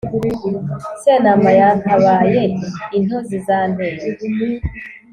sentama yantabaye intozi zanteye